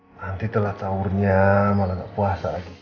nanti telah saurnya malah nggak puasa lagi